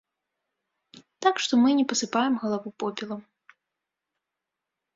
Так што мы не пасыпаем галаву попелам.